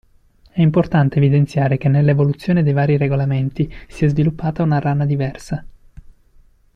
È importante evidenziare che nell'evoluzione dei vari regolamenti si è sviluppata una rana diversa.